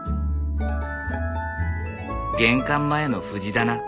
玄関前の藤棚。